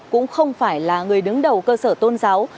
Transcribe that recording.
cũng không phải là người đứng đầu cơ sở tôn giáo